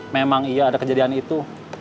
memang iya ada kejadian itu